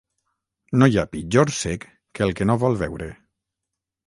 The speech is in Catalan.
No hi ha pitjor cec que el que no vol veure.